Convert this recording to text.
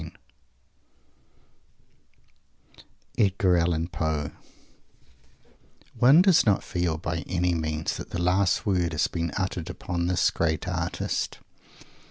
_ EDGAR ALLEN POE One does not feel, by any means, that the last word has been uttered upon this great artist.